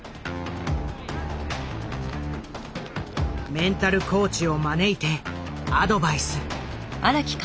メンタルコーチを招いてアドバイス。